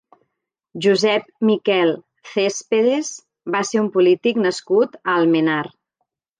Josep Miquel Céspedes va ser un polític nascut a Almenar.